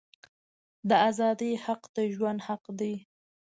د آزادی حق د ژوند حق دی.